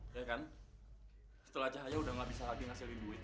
ya kan setelah cahaya udah gak bisa lagi menghasilkan hasilin duit